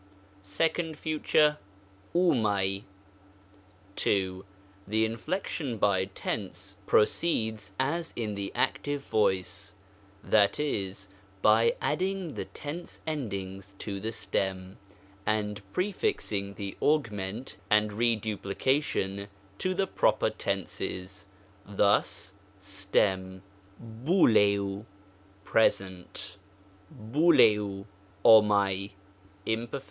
2d Future, ovfiac. 2f The inflection by tense proceeds as in the active voice ; that is, by adding the tense endings to the stem, and prefixing the augment and reduplication to the proper tenses — ^thus : Present, Imperf.